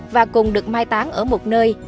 và cùng được mai tán ở một nơi